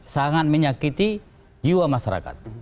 sangat menyakiti jiwa masyarakat